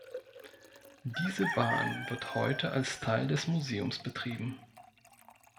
Diese Bahn wird heute als Teil des Museums betrieben.